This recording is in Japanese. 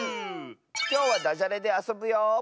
きょうはだじゃれであそぶよ。